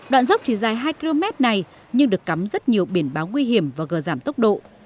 đoạn dốc chỉ dài hai km này nhưng được cắm rất nhiều biển báo nguy hiểm và gờ giảm tốc độ